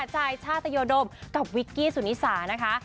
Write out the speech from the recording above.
จ่ายชาตยโดมกับวิกกี้สุนิสานะคะ